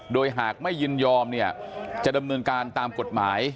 โดยหากไม่ยินยอมเนี่ยจะดำเนินการตามกฎหมาย